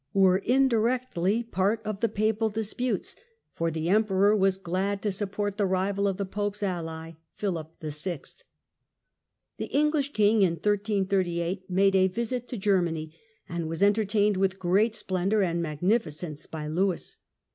were mdu'ectly part of the Papal disputes, for the Lewis and Emperor was glad to support the rival of the Pope's ally m^^^ Phihp VI. The Enghsh King in 1338 made a visit to Germany and was entertained with great splendour and magnificence by Lewis.